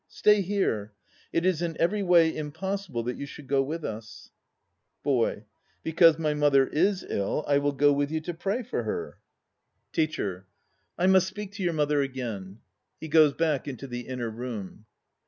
Stay here. It is in every way impossible that you should go with us. BOY. Because my mother i* ill I will go with you to pray for her. 192 THE NO PLAYS OF JAPAN TEACHER. I must speak to your mother again. (He goes back into the inner room.)